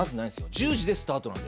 １０時でスタートなんで。